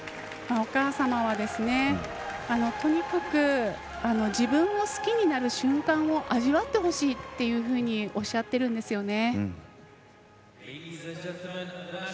お母様は、とにかく自分を好きになる瞬間を味わってほしいっていうふうにおっしゃってるんですよね。